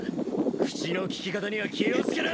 口の利き方には気を付けな！